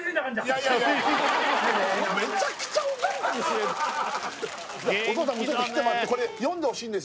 いやいやお父さんもちょっと来てもらってこれ読んでほしいんです